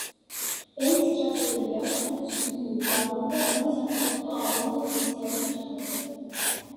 ბენდს ჩაწერილი აქვს ხუთი სტუდიური ალბომი და სამი საკონცერტო ალბომის ოფიციალური ჩანაწერი.